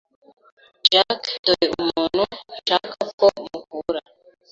Jacques, dore umuntu nshaka ko muhura.